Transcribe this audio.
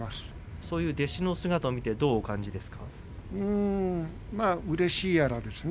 そういう弟子の姿を見てどう感じられますか。